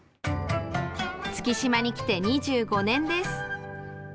月島に来て２５年です。